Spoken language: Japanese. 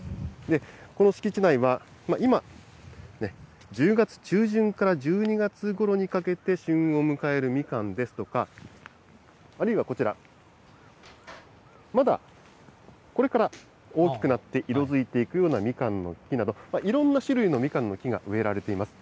この敷地内は、今、１０月中旬から１２月ごろにかけて旬を迎えるみかんですとか、あるいはこちら、まだこれから大きくなって色づいていくみかんの木など、いろんな種類のみかんの木が植えられています。